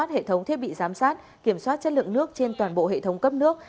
hệ thống thiết bị giám sát kiểm soát chất lượng nước trên toàn bộ hệ thống cấp nước